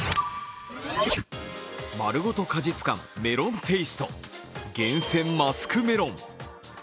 まるごと果実感メロンテイスト厳選マスクメロン。